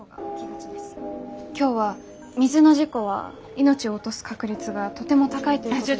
今日は水の事故は命を落とす確率がとても高いということに。